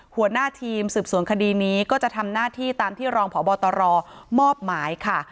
หัวหน้าทีมสืบสวนคดีนี้ก็จะทำหน้าที่ตามที่รองพบตรมอบหมายค่ะ